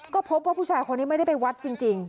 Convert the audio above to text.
ก็พบว่าผู้ชายคนนี้ไม่ได้ไปวัดจริง